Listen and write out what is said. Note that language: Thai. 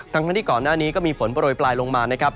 ทั้งที่ก่อนหน้านี้ก็มีฝนโปรยปลายลงมานะครับ